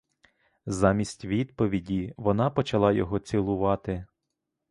Замість відповіді, вона почала його цілувати.